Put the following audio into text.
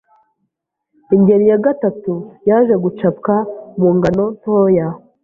Ingeri ya gatatu, yaje gucapwa mu ngano ntoya